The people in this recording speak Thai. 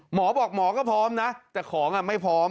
หมอบอกหมอก็พร้อมนะแต่ของไม่พร้อม